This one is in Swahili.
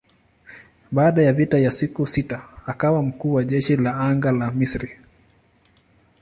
Baada ya vita ya siku sita akawa mkuu wa jeshi la anga la Misri.